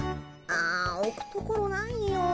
あおくところないよ。